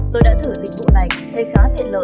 tôi đã thử dịch vụ này thấy khá tiện lợi